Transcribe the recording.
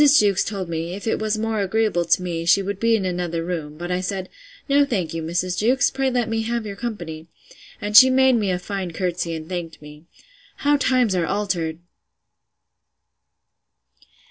Jewkes told me, if it was more agreeable to me, she would be in another room; but I said, No thank you, Mrs. Jewkes; pray let me have your company. And she made me a fine courtesy, and thanked me.—How times are altered!